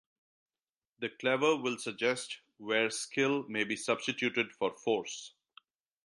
The clever will suggest where skill may be substituted for force.